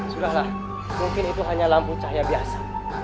sudahlah mungkin itu hanya lampu cahaya biasa